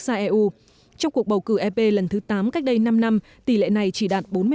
gia eu trong cuộc bầu cử fp lần thứ tám cách đây năm năm tỷ lệ này chỉ đạt bốn mươi ba